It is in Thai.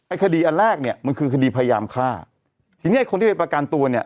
คดีอันแรกเนี่ยมันคือคดีพยายามฆ่าทีเนี้ยไอคนที่ไปประกันตัวเนี่ย